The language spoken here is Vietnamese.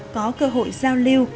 có cơ hội giao lưu